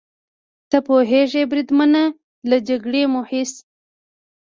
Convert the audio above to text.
ته پوهېږې بریدمنه، له جګړې مو هېڅ.